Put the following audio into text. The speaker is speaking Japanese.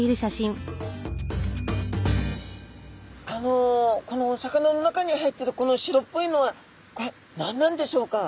あのこのお魚の中に入ってるこの白っぽいのはこれ何なんでしょうか？